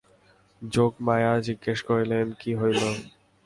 যোগমায়া জিজ্ঞাসা করিলেন, কী হইল।